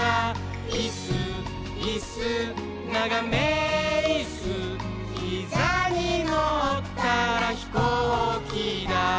「いっすーいっすーながめいっすー」「ひざにのったらひこうきだ」